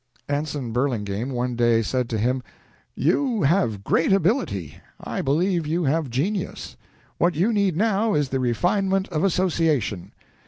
Anson Burlingame one day said to him: "You have great ability; I believe you have genius. What you need now is the refinement of association.